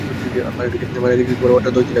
মারা গেছে মাত্র দশদিন আগে।